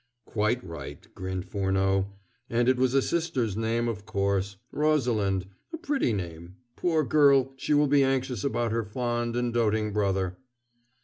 "Quite right," grinned Furneaux. "And it was a sister's name, of course. 'Rosalind.' A pretty name. Poor girl, she will be anxious about her fond and doting brother."